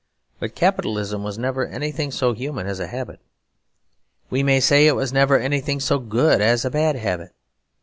But Capitalism was never anything so human as a habit; we may say it was never anything so good as a bad habit.